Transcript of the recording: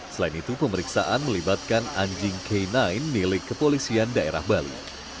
selain itu pemeriksaan melibatkan anjing k sembilan milik kepolisian daerah bali